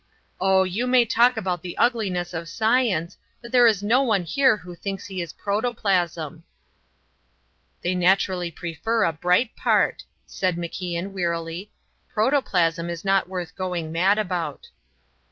Oh! you may talk about the ugliness of science, but there is no one here who thinks he is Protoplasm." "They naturally prefer a bright part," said MacIan, wearily. "Protoplasm is not worth going mad about."